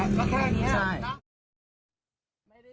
เอาไว้ก็ได้